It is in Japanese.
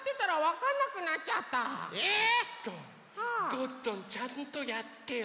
ゴットンちゃんとやってよ。